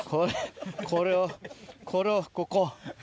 これをこれをここ。